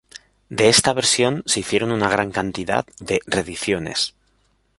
De esta versión se hicieron una gran cantidad de reediciones.